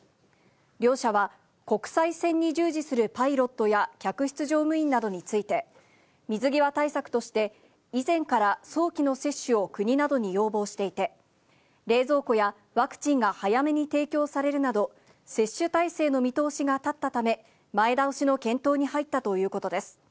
両社は国際線に従事するパイロットや客室乗務員などについて、水際対策として、以前から早期の接種を国などに要望していて、冷蔵庫やワクチンが早めに提供されるなど、接種体制の見通しが立ったため、前倒しの検討に入ったということです。